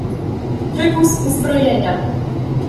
Wywóz uzbrojenia